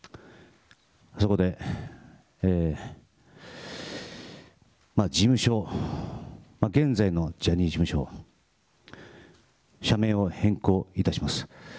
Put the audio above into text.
そこで、事務所、現在のジャニーズ事務所、社名を変更いたします。